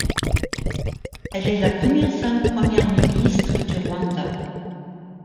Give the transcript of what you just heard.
Elle est la première femme Première ministre du Rwanda.